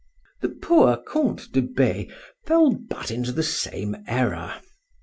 The poor Count de B— fell but into the same error.